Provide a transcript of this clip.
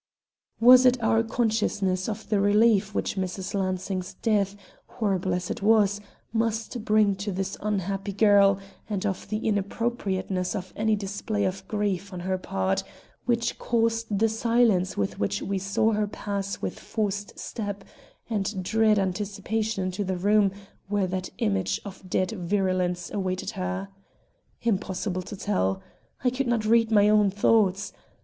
Was it our consciousness of the relief which Mrs. Lansing's death, horrible as it was, must bring to this unhappy girl and of the inappropriateness of any display of grief on her part, which caused the silence with which we saw her pass with forced step and dread anticipation into the room where that image of dead virulence awaited her? Impossible to tell. I could not read my own thoughts.